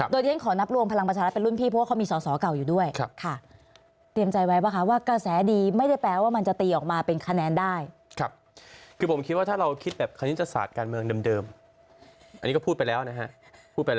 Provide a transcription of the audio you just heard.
โดยที่ฉันขอนับรวมพลังประชารัฐเป็นรุ่นพี่เพราะว่าเขามีสอสอเก่าอยู่ด้วย